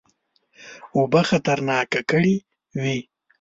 اوبه خطرناکه کړي وې.